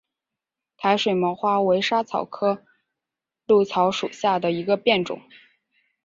台水毛花为莎草科藨草属下的一个变种。